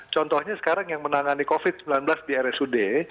contohnya sekarang yang menangani covid sembilan belas di rsud